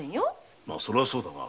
それはそうだが。